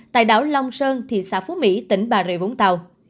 tại đảo long sơn thị xã phú mỹ tỉnh bà rề vốn tàu